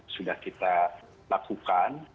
sudah kita lakukan